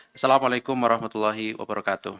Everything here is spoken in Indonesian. wassalamu'alaikum warahmatullahi wabarakatuh